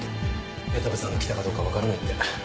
矢田部さんが来たかどうかはわからないって。